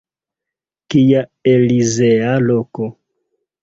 Kia elizea loko!